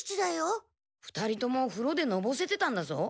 ２人ともふろでのぼせてたんだぞ。